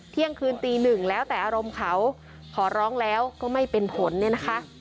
เที่ยงคืนตีหนึ่งแล้วแต่อารมณ์เขาขอร้องแล้วก็ไม่เป็นผลเนี่ยนะคะ